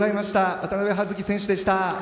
渡部葉月選手でした。